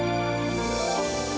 ya makasih ya